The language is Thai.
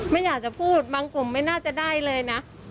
ไม่อยากจะพูดบางกลุ่มไม่น่าจะได้เลยนะ